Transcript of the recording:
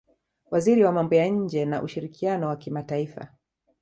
waziri wa mambo ya nje na ushirikiano wa kimataifa